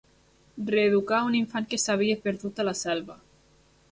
Reeducar un infant que s'havia perdut a la selva.